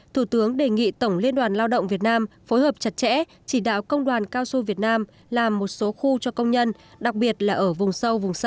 thủ tướng đề nghị tổng liên đoàn lao động việt nam phối hợp chặt chẽ chỉ đạo công đoàn cao su việt nam làm một số khu cho công nhân đặc biệt là ở vùng sâu vùng xa